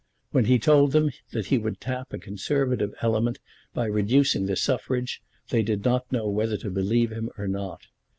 When he told them that he would tap a Conservative element by reducing the suffrage they did not know whether to believe him or not.